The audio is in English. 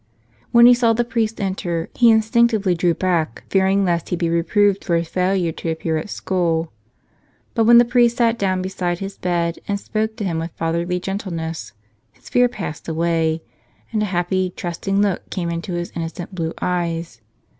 When he saw the priest enter he instinctively drew back, fearing lest he be reproved for his failure to appear at school. But when the priest sat down beside his bed and spoke to him with fatherly gentleness, his fear passed away and a happy, trusting look came into his innocent blue eyes.